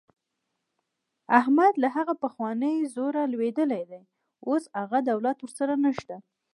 احمد له هغه پخواني زوره لوېدلی دی. اوس هغه دولت ورسره نشته.